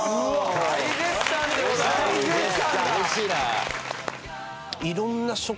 大絶賛でございます。